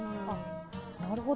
なるほど。